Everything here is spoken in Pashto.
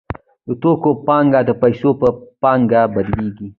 د توکو پانګه د پیسو په پانګه بدلېږي